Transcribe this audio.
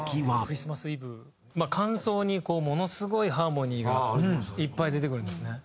間奏にものすごいハーモニーがいっぱい出てくるんですね。